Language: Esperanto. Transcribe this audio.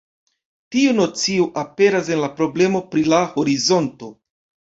Tiu nocio aperas en la problemo pri la horizonto.